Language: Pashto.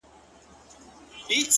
خدايه ته لوی يې;